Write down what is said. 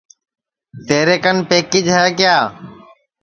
تیرے کن پکیچ ہے کیا